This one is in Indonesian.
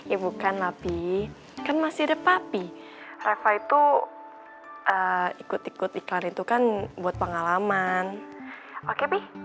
ya bukan napi kan masih ada papi reva itu ikut ikut iklan itu kan buat pengalaman oke pi